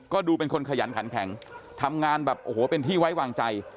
ก็ดูเป็นคนขยันขันแข็งทำงานแบบโอ้โหเป็นที่ไว้วางใจ